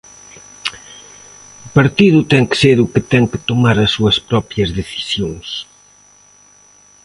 O partido ten que ser "o que ten que tomar as súas propias decisións".